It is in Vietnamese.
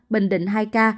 bình định hai ca